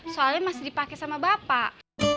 soalnya masih dipakai sama bapak